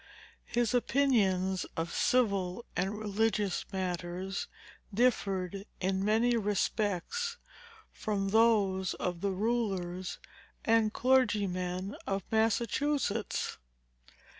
His opinions of civil and religious matters differed, in many respects, from those of the rulers and clergymen of Massachusetts.